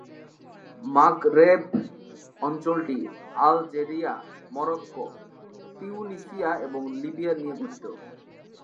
মাগরেব অঞ্চলটি Algeria, Morocco, Tunisia এবং Libya নিয়ে গঠিত।